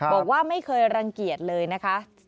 บอกว่าไม่เคยรังเกียจเลยนะคะ